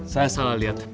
saya salah lihat